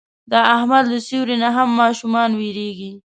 د احمد له سیوري نه هم ماشومان وېرېږي.